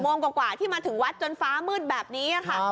โมงกว่าที่มาถึงวัดจนฟ้ามืดแบบนี้ค่ะ